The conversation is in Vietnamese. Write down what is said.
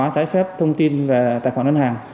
trái phép thông tin về tài khoản ngân hàng